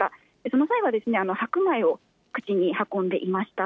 その際は白米を口に運んでいました。